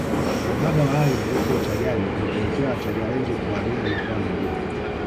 Uhaba wa ardhi huko Uchagani ulipelekea Wachagga wengi kuhamia mikoa mingine